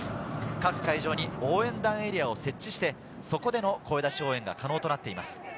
各会場に応援団エリアを設置して、そこでの声出し応援が可能となっています。